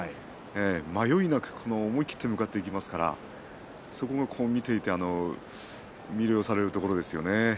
迷いなく思い切って向かっていきますからそこが見ていて魅了されるところですよね。